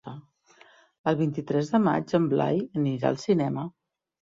El vint-i-tres de maig en Blai anirà al cinema.